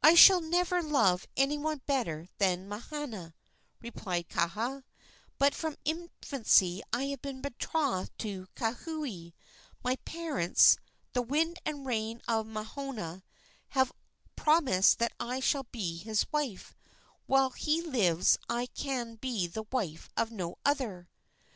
"I shall never love any one better than Mahana," replied Kaha; "but from infancy I have been betrothed to Kauhi; my parents, the Wind and Rain of Manoa, have promised that I shall be his wife, and while he lives I can be the wife of no other."